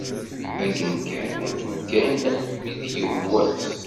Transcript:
Akken kan, akken kan, almi d yiwen wass.